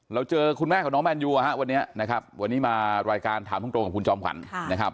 เจอคุณแม่ของน้องแมนยูวันนี้นะครับวันนี้มารายการถามตรงกับคุณจอมขวัญนะครับ